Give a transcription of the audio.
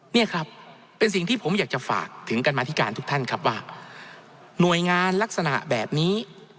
นี่ครับเป็นสิ่งที่ผมอยากจะฝากถึงกันมาธิการทุกท่านครับว่าหน่วยงานลักษณะแบบนี้